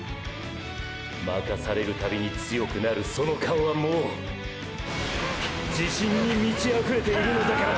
まかされる度に強くなるその表情はもう自信に満ちあふれているのだから！！